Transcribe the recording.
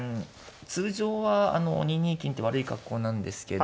通常はあの２二金って悪い格好なんですけど。